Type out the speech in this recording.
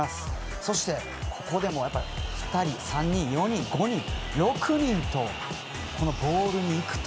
そして、２人、３人、４人５人、６人とボールにいくと。